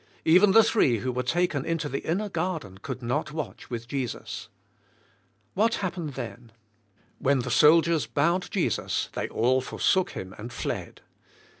Even the three who were taken into the inner gar den could not watch with Jesus. What happened then? When the soldiers bound Jesus they all for sook Him and fled.